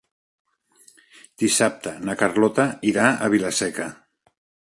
Dissabte na Carlota irà a Vila-seca.